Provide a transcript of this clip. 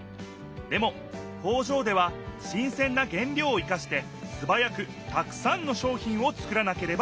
でも工場では新せんな原料を生かしてすばやくたくさんの商品をつくらなければならない。